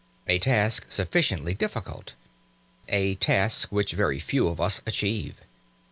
A task sufficiently difficult! A task which very few of us achieve!